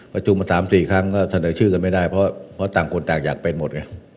ต่อจุมา๓๔ครั้งก็เสนอชื่อกันไม่ได้เพราะต่างคนแตกอย่างเป็นหมด